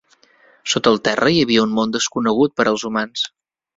Sota el terra hi havia un món desconegut per als humans.